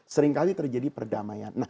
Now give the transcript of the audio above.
seringkali terjadi perdamaian